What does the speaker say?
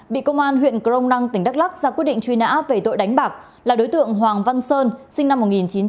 bị công an tp buôn ban thuột tỉnh đắk lắc ra quyết định truy nã về tội đánh bạc là đối tượng hoàng văn sơn sinh năm một nghìn chín trăm sáu mươi hai